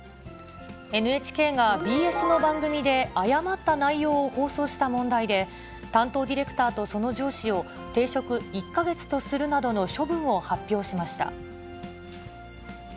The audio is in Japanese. ＮＨＫがＢＳの番組で、誤った内容を放送した問題で、担当ディレクターとその上司を停職１か月とするなどの処分を発表しました。